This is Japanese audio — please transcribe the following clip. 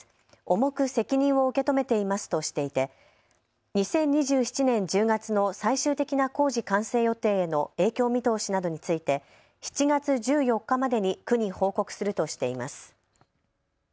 重く責任を受け止めていますとしていて２０２７年１０月の最終的な工事完成予定への影響見通しなどについて７月１４日までに区に報告するとしています。